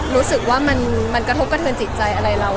รู้สึกว่ามันกระทบกระเทินจิตใจอะไรเรา